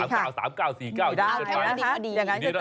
๓เก้า๓เก้า๔เก้าเยี่ยมเกินไป